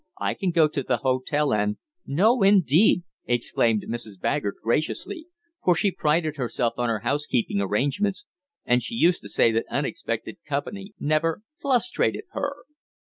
"I can go to the hotel, and " "No, indeed!" exclaimed Mrs. Baggert graciously, for she prided herself on her housekeeping arrangements, and she used to say that unexpected company never "flustrated" her.